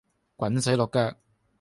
滾水淥腳